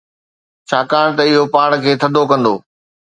ڇاڪاڻ ته اهو پاڻ کي ٿڌو ڪندو.